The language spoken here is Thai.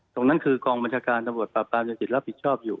ตรงนั้นคือกองบัญชาการตำรวจปราบปรามยังติดรับผิดชอบอยู่